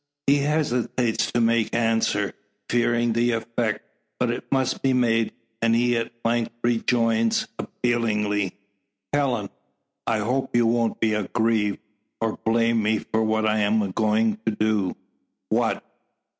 He hesitates to make answer, fearing the effect. But it must be made; and he at length rejoins, appealingly: "Helen! I hope you won't be aggrieved, or blame me for hat I am going to do." "What?"